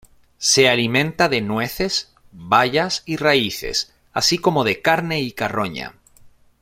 Se alimenta de nueces, bayas y raíces, así como de carne y carroña.